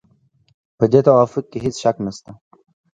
په دې توافق کې هېڅ شک نشته.